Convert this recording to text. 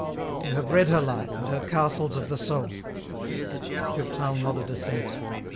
You have read her Hfe, and her ' Castles of the Soul '!" Durtal nodded assent.